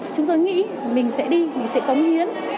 chúng tôi nghĩ mình sẽ đi mình sẽ cống hiến